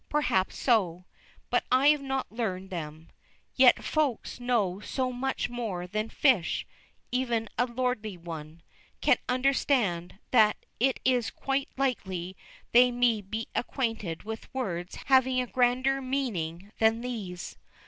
Perhaps so. But I have not learned them. Yet Folks know so much more than a fish, even a lordly one, can understand, that it is quite likely they may be acquainted with words having a grander meaning than these.